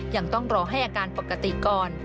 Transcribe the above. ยังต้องรอให้อาการปกติก่อน